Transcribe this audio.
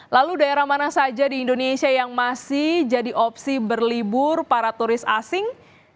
lalu daerah mana saja di indonesia yang masih jadi opsi berlibur para turis asing